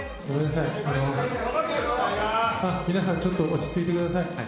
さばけよ、皆さん、ちょっと落ち着いてください。